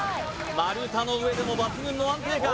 丸太の上でも抜群の安定感